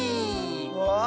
わあ。